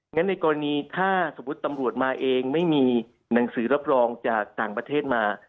ในกรณีถ้าสมมุติตำรวจมาเองไม่มีหนังสือรับรองจากต่างประเทศมา